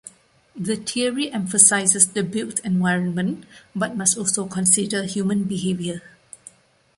The theory emphasizes the built environment, but must also consider human behavior.